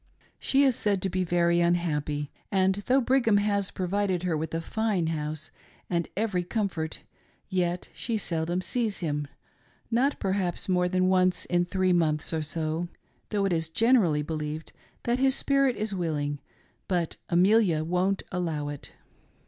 She is said to be very unhappy, and though Brigham has provided her with a fine house and every comfort, yet she seldom sees him — not per haps more than once in three months, or so — though it is generally believed that his spirit is willing, but Amelia won't allow it.